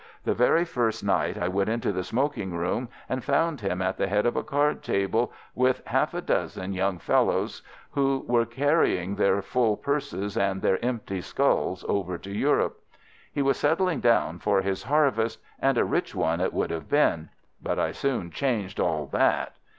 The very first night I went into the smoking room, and found him at the head of a card table, with half a dozen young fellows who were carrying their full purses and their empty skulls over to Europe. He was settling down for his harvest, and a rich one it would have been. But I soon changed all that.